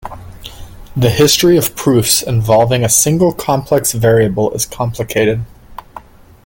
The history of proofs involving a single complex variable is complicated.